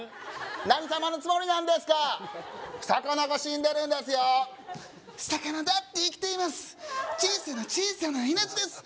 何様のつもりなんですか魚が死んでるんですよー魚だって生きています小さな小さな命です